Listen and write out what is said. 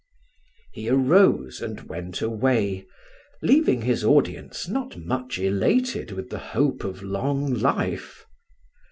He arose and went away, leaving his audience not much elated with the hope of long life.